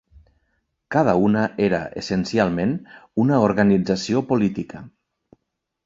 Cada una era, essencialment, una organització política